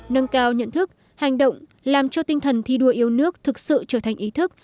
nâng cao nhận thức hành động làm cho tinh thần thi đua yêu nước thực sự trở thành ý thức